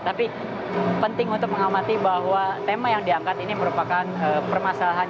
tapi penting untuk mengamati bahwa tema yang diangkat ini merupakan permasalahan